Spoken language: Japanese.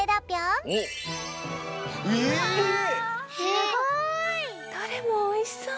すごい！どれもおいしそう！